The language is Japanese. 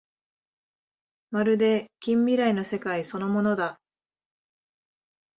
まるで近未来の世界そのものだ